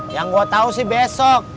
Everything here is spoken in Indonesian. yang gue tahu sih besok